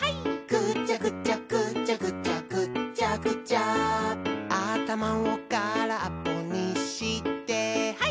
「ぐちゃぐちゃぐちゃぐちゃぐっちゃぐちゃ」「あたまをからっぽにしてハイ！」